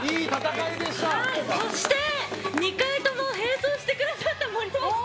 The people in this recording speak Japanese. そして２回とも並走してくださった森脇さん